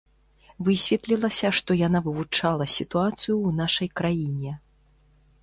Высветлілася, што яна вывучала сітуацыю ў нашай краіне.